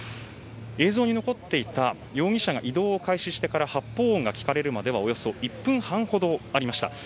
映像に残っていた容疑者が移動を開始してから発砲音が聞かれるまではおよそ１分半ほどありました。